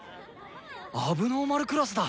問題児クラスだ！